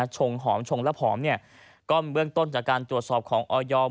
ชงหอมชงและผอมเนี่ยก็เบื้องต้นจากการตรวจสอบของออย